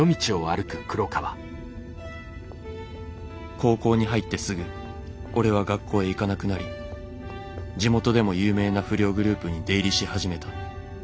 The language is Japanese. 「高校に入ってすぐ俺は学校へ行かなくなり地元でも有名な不良グループに出入りし始めた。